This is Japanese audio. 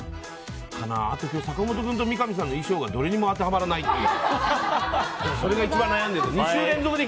あと今日坂本君と三上さんの衣装がどれにも当てはまらないっていう。